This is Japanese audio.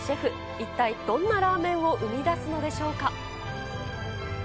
一体どんなラーメンを生み出すのでしょうか。